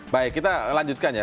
baik kita lanjutkan ya